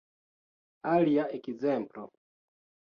Alia ekzemplo